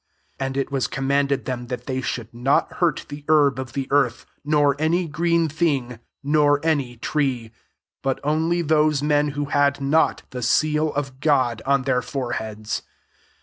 4 And it was command ed them that they should not iurt the herb of the earth, nor my green thing, nor any tree ; iut (mlif those men who had lot the seal [of Godj on [their] 'orebeads.